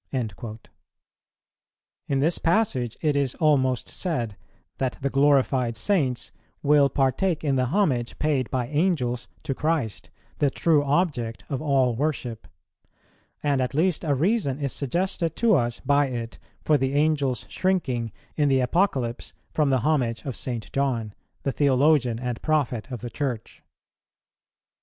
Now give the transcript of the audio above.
"[141:1] In this passage it is almost said that the glorified Saints will partake in the homage paid by Angels to Christ, the True Object of all worship; and at least a reason is suggested to us by it for the Angel's shrinking in the Apocalypse from the homage of St. John, the Theologian and Prophet of the Church.